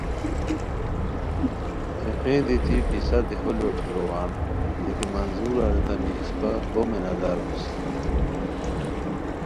ہیغین دیتی پِسہ دیہو لوٹھوروان دی کی منظور ارتامی اسپہ بو مینہ دار بوسی